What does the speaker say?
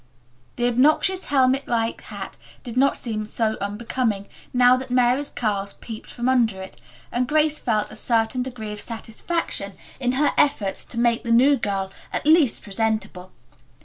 The obnoxious helmet like hat did not seem so unbecoming, now that Mary's curls peeped from under it, and Grace felt a certain degree of satisfaction in her efforts to make the new girl at least presentable.